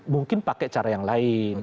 mungkin pakai cara yang lain